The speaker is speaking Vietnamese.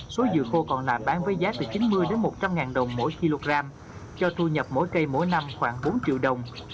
số dưa khô còn nạp bán với giá từ chín mươi một trăm linh ngàn đồng mỗi kg cho thu nhập mỗi cây mỗi năm khoảng bốn triệu đồng